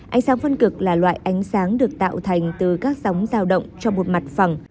ánh sáng phân cực là loại ánh sáng được tạo thành từ các sóng giao động cho một mặt phẳng